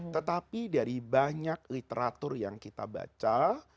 tetapi dari banyak literatur yang kita baca